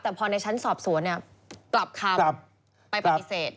แต่พอในชั้นสอบสวนกลับคำไปปฏิเสธ